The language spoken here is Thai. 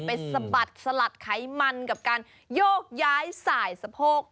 สะบัดสลัดไขมันกับการโยกย้ายสายสะโพก